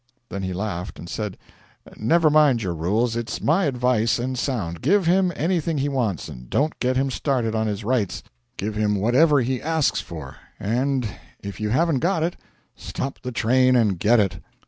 Then he laughed and said: 'Never mind your rules it's my advice, and sound: give him anything he wants don't get him started on his rights. Give him whatever he asks for; and it you haven't got it, stop the train and get it.'